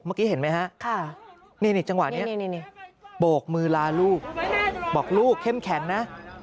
เมื่อกี้เห็นไหมฮะนี่จังหวะนี้โบกมือลาลูกบอกลูกเข้มแข็งนะ